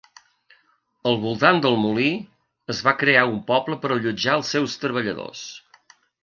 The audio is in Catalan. Al volant del molí es va crear un poble per allotjar els seus treballadors-